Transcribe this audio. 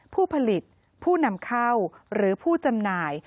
ผู้ผลิตผู้นำเข้าหรือผู้จำหน่าย